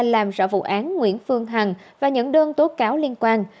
làm rõ vụ án nguyễn phương hằng và những đơn tố cáo liên quan